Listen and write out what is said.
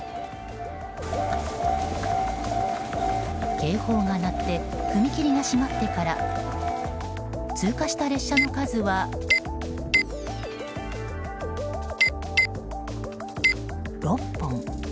警報が鳴って踏切が閉まってから通過した列車の数は６本。